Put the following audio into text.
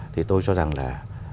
thì tôi cho rằng là